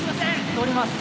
・通ります。